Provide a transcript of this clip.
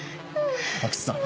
阿久津さん。